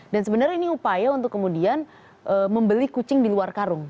dan sebenarnya ini upaya untuk kemudian membeli kucing di luar karung